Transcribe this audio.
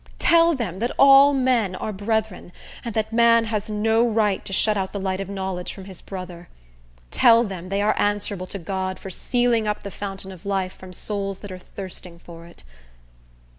Tell them that all men are brethren, and that man has no right to shut out the light of knowledge from his brother. Tell them they are answerable to God for sealing up the Fountain of Life from souls that are thirsting for it.